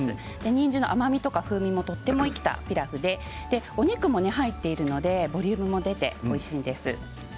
にんじんの甘みや風味が生きたピラフでお肉も入っていてボリュームが出て、おいしいです。